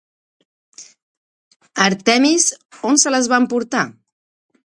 Àrtemis on se les va emportar?